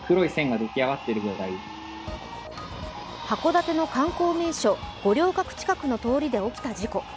函館の観光名所・五稜郭近くの通りで起きた事故。